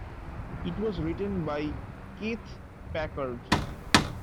It was written by Keith Packard.